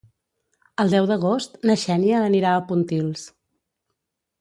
El deu d'agost na Xènia anirà a Pontils.